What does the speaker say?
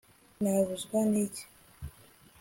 nabuzwa n'iki